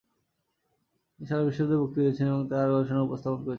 তিনি সারা বিশ্ব জুড়ে বক্তৃতা দিয়েছেন এবং তাঁর গবেষণা উপস্থাপন করেছেন।